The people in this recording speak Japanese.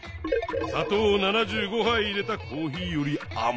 さとうを７５はい入れたコーヒーよりあまいぞ。